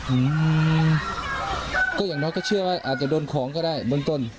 อืมก็อย่างน้อยก็เชื่อว่าอาจจะโดนของก็ได้เบื้องต้น